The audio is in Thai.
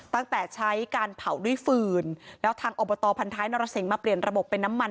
ตั้งแต่ใช้การเผาด้วยฟืนแล้วทางอบตพันท้ายนรสิงห์มาเปลี่ยนระบบเป็นน้ำมัน